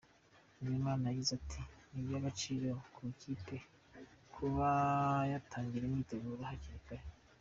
Nzeyimana yagize ati "Ni iby’agaciro ku ikipe, kuba yatangira imyiteguro hakiri kare.